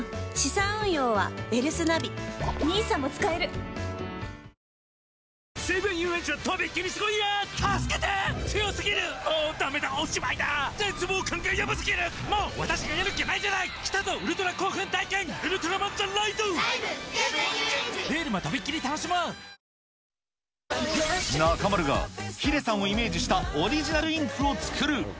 サントリーセサミン中丸がヒデさんをイメージしたオリジナルインクを作る。